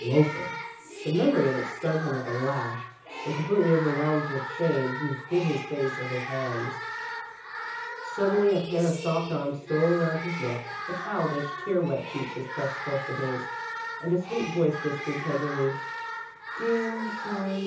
"Loafer!" The memory of it stung him like a lash, and, completely overwhelmed with shame, he hid his face in his hands. Suddenly, a pair of soft arms stole around his neck, a childish, tear wet cheek was pressed close to his, and a sweet voice whispered, tenderly: "Dear, I'm sorry!